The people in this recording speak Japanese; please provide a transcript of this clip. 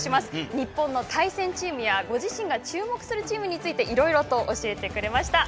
日本の対戦チームやご自身が注目するチームについていろいろ教えてくれました。